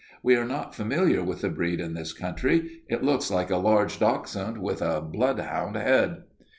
We are not familiar with the breed in this country. It looks like a large dachshund with a bloodhound head."